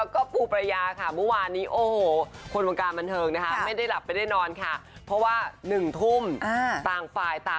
ก็พบต่อแหน่มกาลไทย